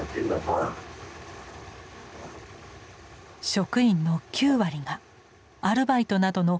職員の９割がアルバイトなどの非常勤です。